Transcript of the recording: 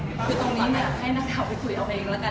คือตรงนี้ให้นักข่าวไปคุยเอาเองแล้วกัน